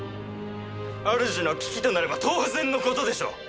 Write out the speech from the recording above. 主の危機となれば当然の事でしょう！